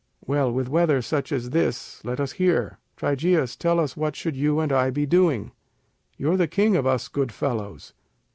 Well, with weather such as this, let us hear, Trygæus tell us What should you and I be doing? You're the king of us good fellows.